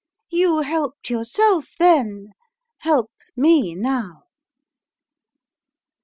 You helped yourself then : help me now."